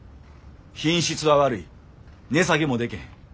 品質は悪い値下げもでけへん。